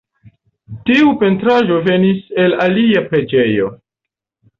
Tiu pentraĵo venis el alia preĝejo.